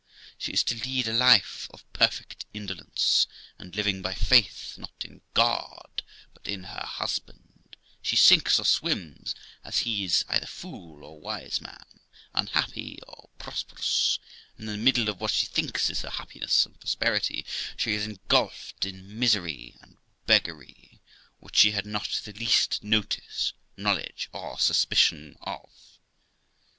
'She is to lead a life of perfect indolence, and, living by faith, not in God, but in her husband, she sinks or swims, as he is either fool or wise man, unhappy or prosperous; and, in the middle of what she thinks is her happiness and prosperity, she is engulfed in misery and beggary, which she had not the least notice, knowledge, or suspicion of.